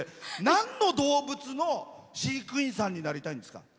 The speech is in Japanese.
なんの動物の飼育員さんになりたいんですか？